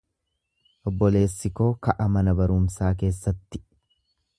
Obboleessi koo ka'a mana barumsaa keessatti.